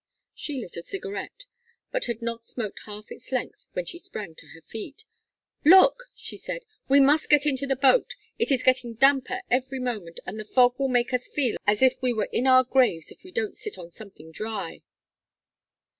She lit a cigarette, but had not smoked half its length when she sprang to her feet. "Look!" she said. "We must get into the boat. It is getting damper every moment, and the fog will make us feel as if we were in our graves if we don't sit on something dry."